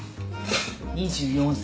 ２４歳。